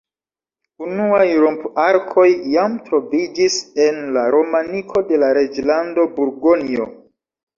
Unuaj romp-arkoj jam troviĝis en la romaniko de la Reĝlando Burgonjo.